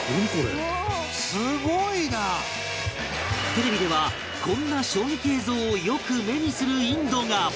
テレビではこんな衝撃映像をよく目にするインドが